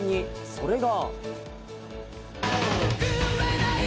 それが。